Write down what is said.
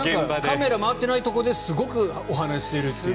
カメラが回っていないところですごくお話ししているという。